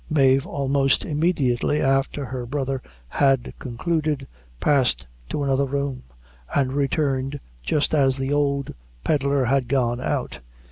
Mave, almost immediately after her brother had concluded, passed to another room, and returned just as the old pedlar had gone out.